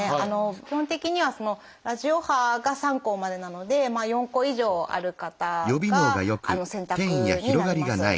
基本的にはラジオ波が３個までなので４個以上ある方が選択になります。